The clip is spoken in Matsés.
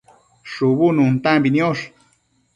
shubu nuntambi niosh